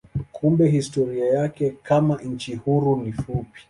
Kumbe historia yake kama nchi huru ni fupi.